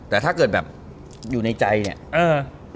แต่ถ้าเกิดอยู่ในใจเนี่ย